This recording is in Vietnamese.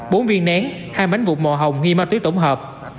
bốn viên nén hai bánh vụt màu hồng nghi ma túy tổng hợp